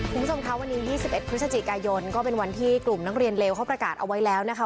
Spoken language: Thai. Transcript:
คุณผู้ชมคะวันนี้๒๑พฤศจิกายนก็เป็นวันที่กลุ่มนักเรียนเลวเขาประกาศเอาไว้แล้วนะคะ